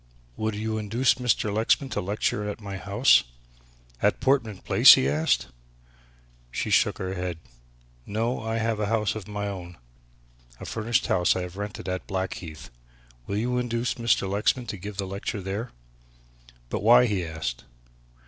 Would you induce Mr. Lexman to lecture at my house?" "At Portman Place!" he asked. She shook her head. "No, I have a house of my own. A furnished house I have rented at Blackheath. Will you induce Mr. Lexman to give the lecture there?" "But why?" he asked.